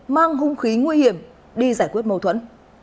mang hung khí nguy hiểm đi giải quyết mâu thuẫn